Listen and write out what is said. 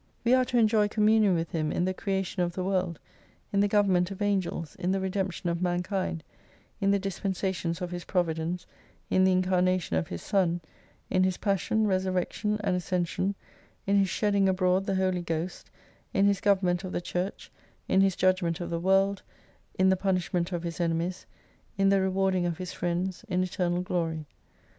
We are to enjoy communion with Him in the creation of the world, in the government of Angels, in the redemption of mankind, in the dispensa tions of His providence, in the incarnation of His Son, in His passion, resurrection and ascension, in His shedding abroad the Holy Ghost, in His government of the Church, in His judgment of the world, in the punishment of His enemies, in the rewarding of His friends, in Eternal Glory.